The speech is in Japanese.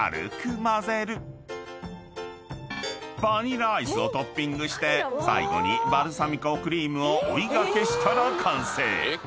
［バニラアイスをトッピングして最後にバルサミコクリームを追い掛けしたら完成］